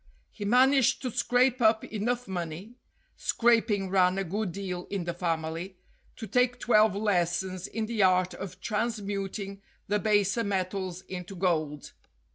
He managed to scrape up enough money (scraping ran a good deal in the family) to take twelve lessons in the art of transmuting the baser metals into gold.